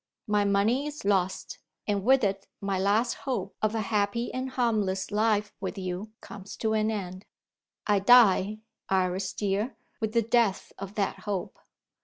My money is lost; and, with it, my last hope of a happy and harmless life with you comes to an end. I die, Iris dear, with the death of that hope.